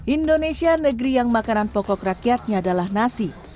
indonesia negeri yang makanan pokok rakyatnya adalah nasi